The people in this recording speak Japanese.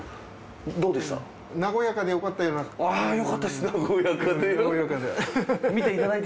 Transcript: どうでした？